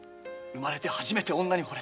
生まれて初めて女に惚れた。